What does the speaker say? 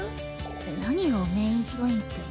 何よメインヒロインって？